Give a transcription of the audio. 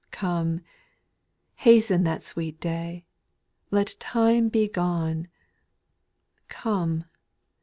4. Come ! hasten that sweet day, Let time begone, Come